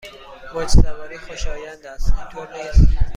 موج سواری خوشایند است، اینطور نیست؟